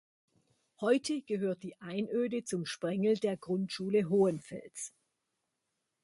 Heute gehört die Einöde zum Sprengel der Grundschule Hohenfels.